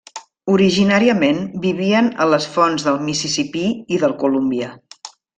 Originàriament vivien a les fonts del Mississipí i del Colúmbia.